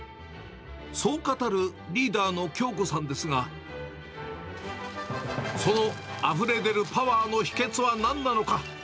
そう語るリーダーの京子さんですが、そのあふれ出るパワーの秘けつは何なのか。